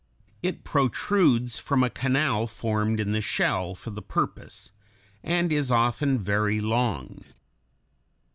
It protrudes from a canal formed in the shell for the purpose, and is often very long.